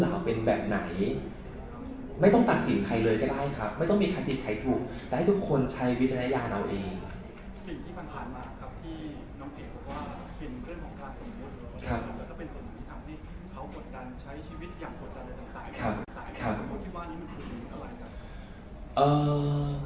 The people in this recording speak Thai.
ว่าเป็นเรื่องของค่าสมมุติหรือเป็นสมมุติที่เขาผ่วนกันใช้ชีวิตอย่างผ่วนกันแล้วจะขาย